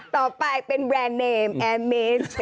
ต่อไปเป็นแบรนด์เนมแอร์เมน